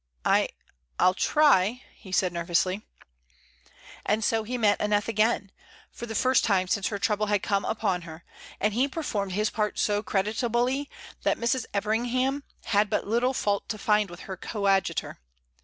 "I I'll try," he said, nervously. And so he met Aneth again, for the first time since her trouble had come upon her, and he performed his part so creditably that Mrs. Everingham had but little fault to find with her coadjutor.